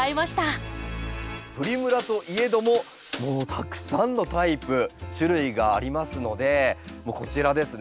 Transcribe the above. プリムラといえどももうたくさんのタイプ種類がありますのでもうこちらですね。